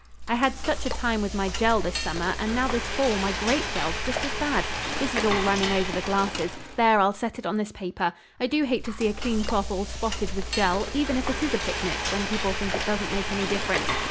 "I had such a time with my jell this summer, and now this fall my grape jell's just as bad. This is all running over the glasses. There, I'll set it on this paper. I do hate to see a clean cloth all spotted with jell, even if it is a picnic when people think it doesn't make any difference.